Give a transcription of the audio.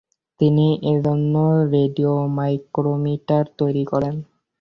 তিনি এজন্য রেডিওমাইক্রোমিটার তৈরি করেন।